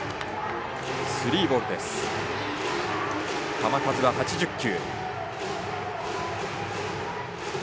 球数は８０球。